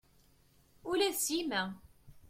Ula d Sima.